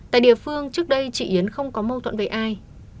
tại địa phương trước đây chị yến không có mâu thuẫn với ai